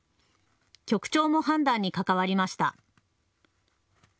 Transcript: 局長も判断に関わりました。